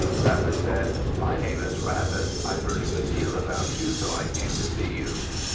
Rabbit said, "My name is Rabbit. I've heard a good deal about you, so I came to see you."